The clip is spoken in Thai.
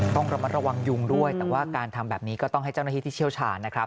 ต้องระมัดระวังยุงด้วยแต่ว่าการทำแบบนี้ก็ต้องให้เจ้าหน้าที่ที่เชี่ยวชาญนะครับ